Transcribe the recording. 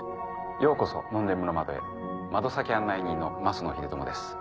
ようこそ『ノンレムの窓』へ窓先案内人の升野英知です。